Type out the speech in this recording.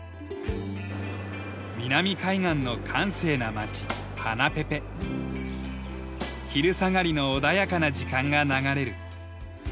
南海岸の閑静な町昼下がりの穏やかな時間が流れる。